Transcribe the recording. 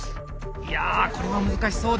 いやこれは難しそうだ！